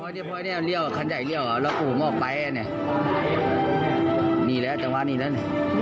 เฮ้ยคนเสียได้ทำไมมันตบเร็วขนาดนั้น